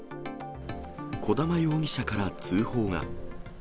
小玉容疑者から通報が。